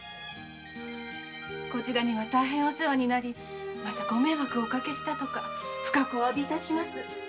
こちらには大変お世話になった上ご迷惑をおかけし深くおわび致します。